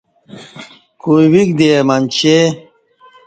کویک دے اہ منچے